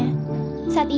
dan dia selalu menikah